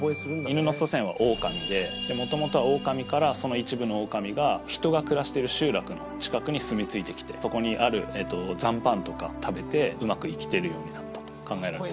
犬の祖先は「オオカミ」でもともとはオオカミからその一部のオオカミが人が暮らしている集落の近くに住み着いてきてそこにある残飯とか食べてうまく生きてるようになったと考えられています